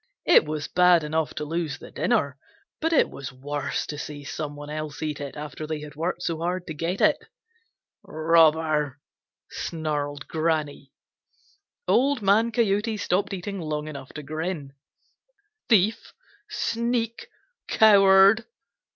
It was bad enough to lose the dinner, but it was worse to see some one else eat it after they had worked so hard to get it. "Robber!" snarled Granny. Old Man Coyote stopped eating long enough to grin. "Thief! Sneak! Coward!"